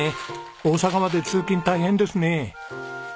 大阪まで通勤大変ですね。